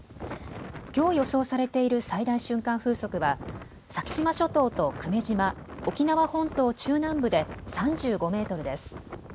きょう予想されている最大瞬間風速は先島諸島と久米島、沖縄本島中南部で３５メートルです。